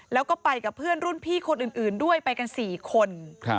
แล้วก็ไปกับเพื่อนรุ่นพี่คนอื่นด้วยไปกัน๔คน